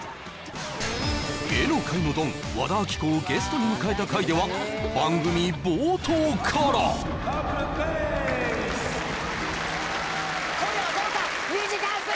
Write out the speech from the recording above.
芸能界のドン和田アキ子をゲストに迎えた回では番組冒頭から今夜は豪華２時間ＳＰ！